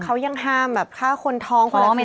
เขายังห้ามแบบฆ่าคนท้องพอไม่ได้